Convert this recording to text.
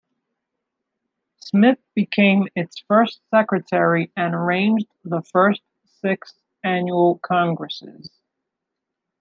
Smith became its first secretary and arranged the first six annual congresses.